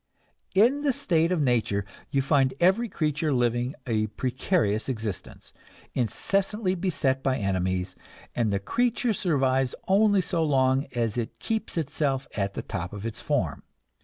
In the state of nature you find every creature living a precarious existence, incessantly beset by enemies; and the creature survives only so long as it keeps itself at the top of its form.